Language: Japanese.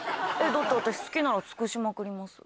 だって私好きなら尽くしまくります。